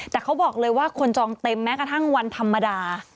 แต่เขาบอกเลยว่าคนจองเต็มแม้กระทั่งวันธรรมดา